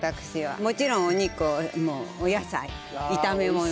もちろんお肉お野菜炒め物。